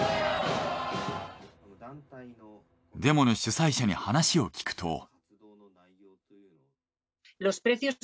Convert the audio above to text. デモの主催者に話を聞くと。